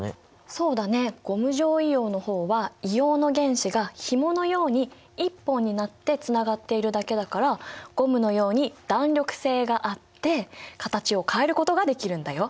そうだねゴム状硫黄の方は硫黄の原子がひものように１本になってつながっているだけだからゴムのように弾力性があって形を変えることができるんだよ。